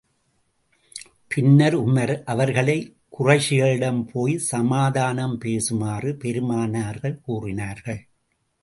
பின்னர், உமர் அவர்களை, குறைஷிகளிடம் போய், சமாதானம் பேசுமாறு, பெருமானார் கூறினார்கள்.